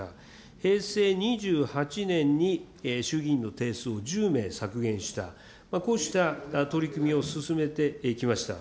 平成２８年に、衆議院の定数を１０名削減した、こうした取り組みを進めてきました。